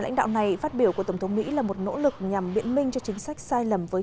lãnh đạo này phát biểu của tổng thống mỹ là một nỗ lực nhằm biện minh cho chính sách sai lầm với